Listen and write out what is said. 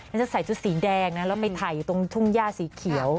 ฉันจะใส่ชุดสีแดงนะแล้วไปถ่ายตรงทุ่งย่าสีเขียว